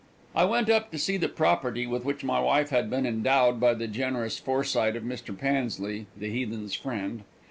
I went up to see the property with which my wife had been endowed by the generous foresight of Mr. Pansley, the heathen's friend.